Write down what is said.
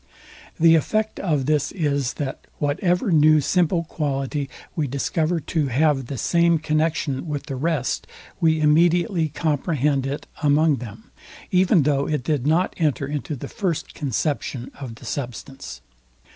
The effect of this is, that whatever new simple quality we discover to have the same connexion with the rest, we immediately comprehend it among them, even though it did not enter into the first conception of the substance.